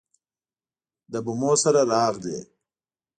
له بمو سره راغلې